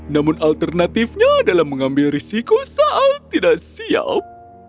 namun alternatifnya adalah mengambil risiko saat tidak siap